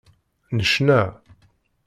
Necna.